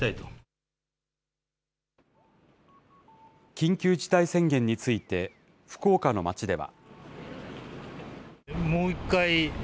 緊急事態宣言について、福岡の街では。